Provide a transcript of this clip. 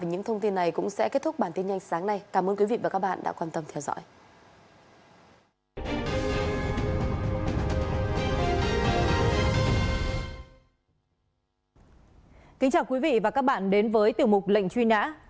những thông tin này cũng sẽ kết thúc bản tin nhanh sáng nay